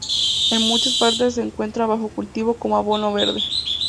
En muchas partes se encuentra bajo cultivo como abono verde.